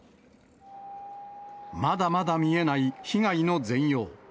まだまだ見えない被害の全容。